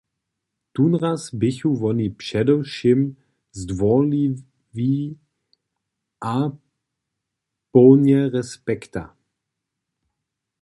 Tónraz běchu woni přewšěm zdwórliwi a połnje respekta.